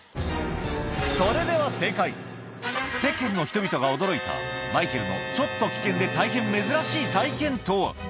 それでは世間の人々が驚いたマイケルのちょっと危険で大変珍しい体験とは？